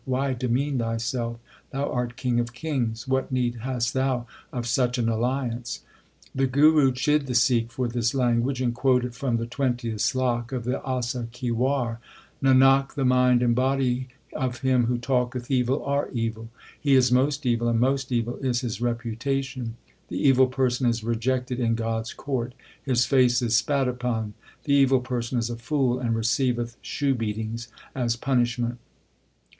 Why demean thyself ? Thou art king of kings. What need hast thou of such an alliance ? The Guru chid the Sikh for this language and quoted from the twentieth slok of the Asa ki War : Nanak, the mind and body of him who talketh evil are evil : He is most evil, and most evil is his reputation. The evil person is rejected in God s court ; his face is spat upon. The evil person is a fool, and receiveth shoe beatings as punishment.